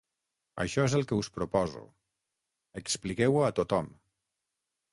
Això és el que us proposo: expliqueu-ho a tothom.